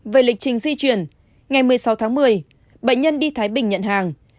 về lịch trình di chuyển ngày một mươi sáu tháng một mươi bệnh nhân đi thái bình nhận hàng